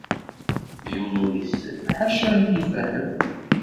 Yiwen ur isell ḥaca ayen i ifehhem.